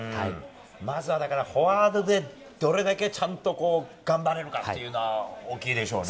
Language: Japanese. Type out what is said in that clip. まずは、だから、フォワードでどれだけちゃんと頑張れるかっていうのは、大きいでしょうね。